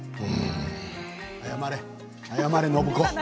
謝れ、謝れ、暢子。